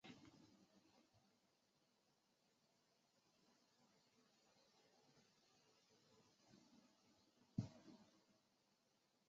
这本书是第一本现代数学分析学着作。